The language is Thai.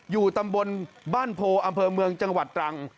อยู่ตำบลบ้านโพอำเภอเมืองจังหวัดตรัง